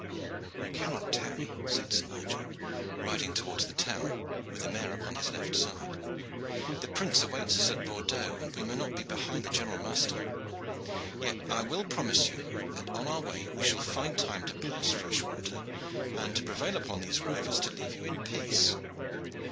"We cannot tarry," said Sir Nigel, riding towards the town, with the mayor upon his left side; "the Prince awaits us at Bordeaux, and we may not be behind the general muster. Yet I will promise you that on our way we shall find time to pass Freshwater and to prevail upon these rovers to leave you in peace."